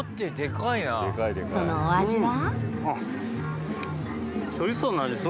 そのお味は。